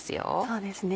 そうですね